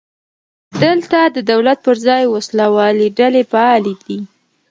دلته د دولت پر ځای وسله والې ډلې فعالې دي.